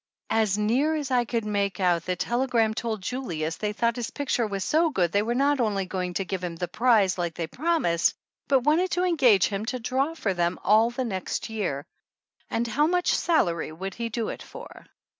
As near as I could make out the telegram told Julius they thought his picture was so good they were not only going to give him the prize like they promised, but wanted to engage him to draw for them all the next year and how much salary would he do it for.